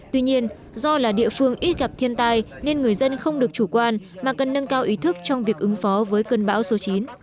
tuy nhiên do là địa phương ít gặp thiên tai nên người dân không được chủ quan mà cần nâng cao ý thức trong việc ứng phó với cơn bão số chín